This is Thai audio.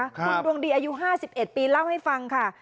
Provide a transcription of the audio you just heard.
คุณดวงดีอายุ๕๑ปีเล่าให้ฟังค่ะ